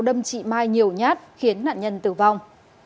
đâm chị mai nhiều nhát khiến nạn nhân tử vong